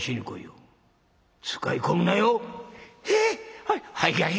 「はい」。